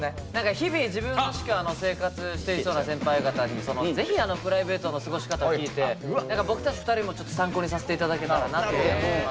日々自分らしく生活していそうな先輩方にぜひプライベートの過ごし方を聞いて何か僕たち２人もちょっと参考にさせて頂けたらなというふうに思います。